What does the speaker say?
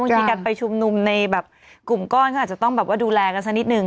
มีการไปชุมนุมในแบบกลุ่มก้อนก็อาจจะต้องแบบว่าดูแลกันสักนิดหนึ่ง